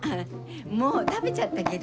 もう食べちゃったけど。